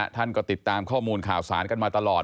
ท่านก็ติดตามข้อมูลข่าวสารกันมาตลอด